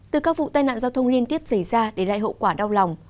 từ các vụ tai nạn giao thông liên tiếp xảy ra để lại hậu quả đau lòng